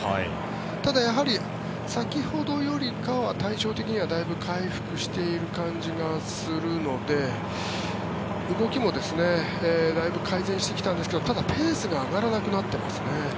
ただ、やはり先ほどよりかは体調的にはだいぶ回復している感じがするので動きもだいぶ改善してきたんですけどただペースが上がらなくなっていますね。